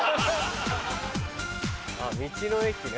道の駅ね。